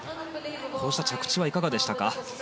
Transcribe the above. こうした着地はいかがでしたか。